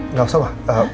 nggak usah ma